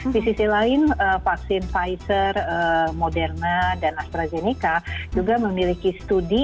di sisi lain vaksin pfizer moderna dan astrazeneca juga memiliki studi